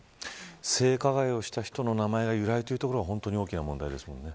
性加害をした人の名前が由来というところが大きな問題ですもんね。